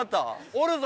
おるぞ！